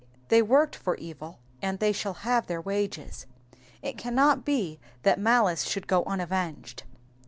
"*^ They worked for evil, and they shall have their wages. It cannot be that malice should go unavenged.